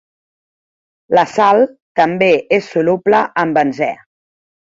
La sal també és soluble en benzè.